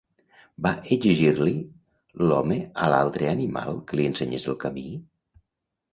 Va exigir-li l'home a l'altre animal que li ensenyés el camí?